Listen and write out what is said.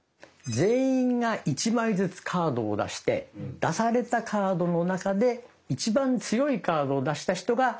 全員が１枚ずつカードを出して出されたカードの中で一番強いカードを出した人が主導権を得る。